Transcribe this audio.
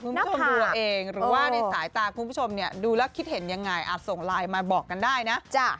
หรือว่าในสายตาคุณผู้ชมดูแล้วคิดเห็นยังไงอาจส่งไลน์มาบอกกันได้นะ